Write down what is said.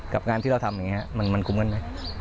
กับงานที่เราทำอย่างนี้มันคุ้มกันไหม